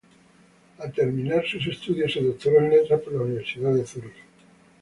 Al terminar sus estudios se doctoró en letras por la Universidad de Zúrich.